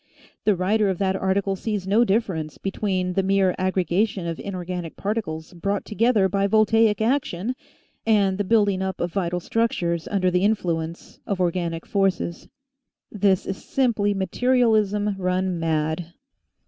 The writer of that article sees no difference between the mere aggregation of inor ganic particles brought together by voltaic action and the building up of vital structures under the influence of or ganic forces. This is simply materialism run mad.